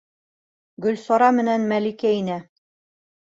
Гөлсара менән Мәликә инә.